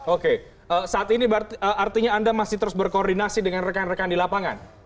oke saat ini artinya anda masih terus berkoordinasi dengan rekan rekan di lapangan